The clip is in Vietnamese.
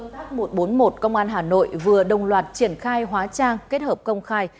các tổ công tác một trăm bốn mươi một công an hà nội vừa đồng loạt triển khai hóa trang kết hợp công khai